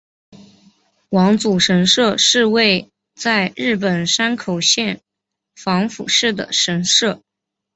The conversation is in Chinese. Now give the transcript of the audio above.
玉祖神社是位在日本山口县防府市的神社。